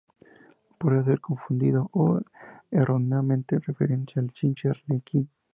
Podría ser confundido o erróneamente referirse al chinche arlequín.